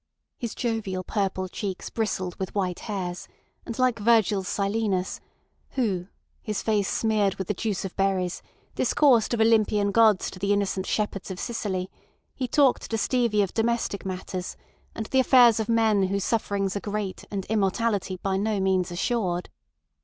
His jovial purple cheeks bristled with white hairs; and like Virgil's Silenus, who, his face smeared with the juice of berries, discoursed of Olympian Gods to the innocent shepherds of Sicily, he talked to Stevie of domestic matters and the affairs of men whose sufferings are great and immortality by no means assured.